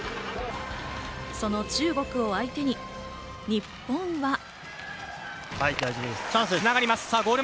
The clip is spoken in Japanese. その中国を相手に日本は。